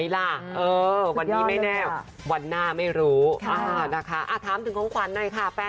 เห็นไหมล่ะเออวันนี้ไม่แน่